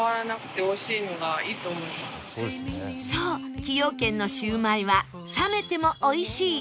そう崎陽軒のシウマイは冷めても美味しい